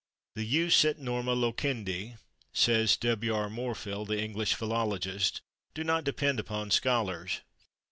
"The /jus et norma loquendi/," says W. R. Morfill, the English philologist, "do not depend upon scholars."